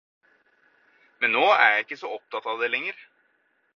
Men nå er jeg ikke så opptatt av det lenger.